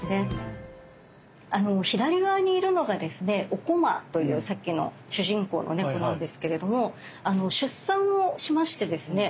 「おこま」というさっきの主人公の猫なんですけれども出産をしましてですね